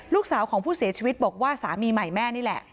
ลูกสาวของผู้เสียชีวิตบอกว่าสามีใหม่แม่นี่แหละ